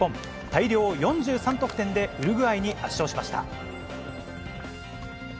大量４３得点で、ウルグアイに圧勝しました。